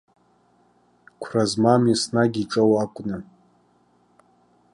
Қәра змам, еснагь иҿоу акәны.